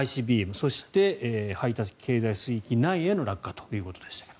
そして、排他的経済水域内への落下ということでした。